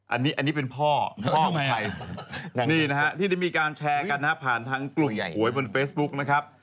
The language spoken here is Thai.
อันนี้อันนี้เป็นพ่อพ่อของใครนี่นะฮะที่ได้มีการแชร์กันนะฮะผ่านทางกลุ่มหวยบนเฟซบุ๊กนะครับ